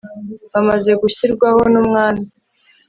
Bamaze gushyirwaho numwami